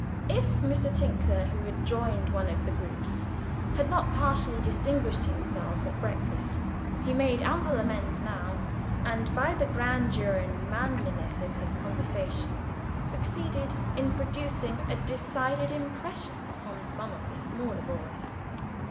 If Mr. Tinkler, who had joined one of the groups, had not particularly distinguished himself at breakfast, he made ample amends now, and by the grandeur and manliness of his conversation succeeded in producing a decided impression upon some of the smaller boys.